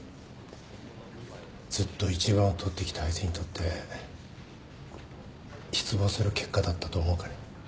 ずっと１番を取ってきたあいつにとって失望する結果だったと思うかね？